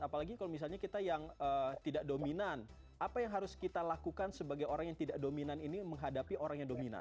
apalagi kalau misalnya kita yang tidak dominan apa yang harus kita lakukan sebagai orang yang tidak dominan ini menghadapi orang yang dominan